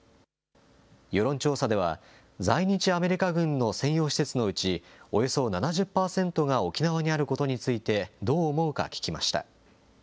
世論調査では、在日アメリカ軍の専用施設のうち、およそ７０％が沖縄にあることについてどう思うか聞きました。